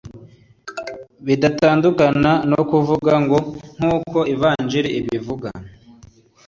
bidatandukana no kuvuga ngo “nk’uko ivanjili ibivuga.”